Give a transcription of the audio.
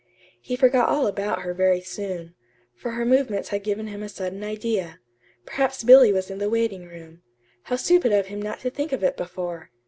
He forgot all about her very soon, for her movements had given him a sudden idea: perhaps Billy was in the waiting room. How stupid of him not to think of it before!